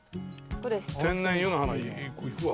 天然湯の花いくわ。